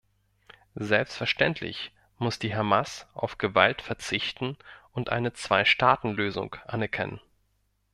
Selbstverständlich muss die Hamas auf Gewalt verzichten und eine Zwei-Staaten-Lösung anerkennen.